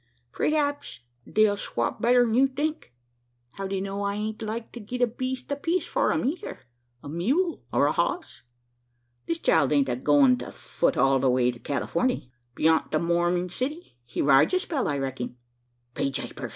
Preehaps they'll swop better'n you think. How d'ye know I ain't like to git a beest apiece for 'em eyther a mule or a hoss? This child ain't a going to fut it all the way to Californey. B'yont the Morming City, he rides a spell, I recking." "Be japers!